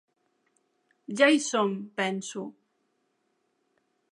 Ja hi som, penso.